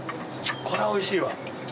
これはおいしいわ。